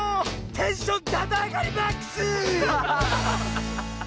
テンションだだあがりマックス！